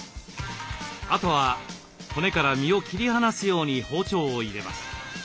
あとは骨から身を切り離すように包丁を入れます。